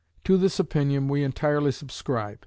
To this opinion we entirely subscribe.